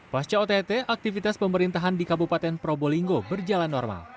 pasca ott aktivitas pemerintahan di kabupaten probolinggo berjalan normal